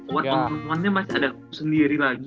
buat omong omongnya masih ada sendiri lagi